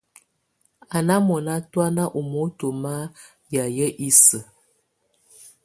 Á ná mɔnà tɔ̀ána ù moto ma yayɛ̀á isǝ́.